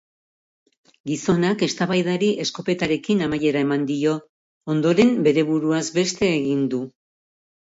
Gizonak eztabaidari eskopetarekin amaiera eman dio, ondoren bere buruaz beste egin du.